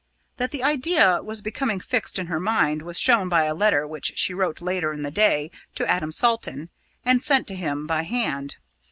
That the idea was becoming fixed in her mind, was shown by a letter which she wrote later in the day to Adam Salton, and sent to him by hand.